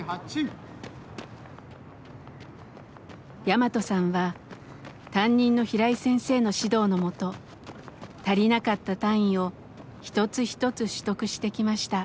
ヤマトさんは担任の平井先生の指導のもと足りなかった単位を一つ一つ取得してきました。